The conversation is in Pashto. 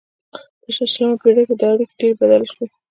په شلمه پیړۍ کې دا اړیکې ډیرې بدلې شوې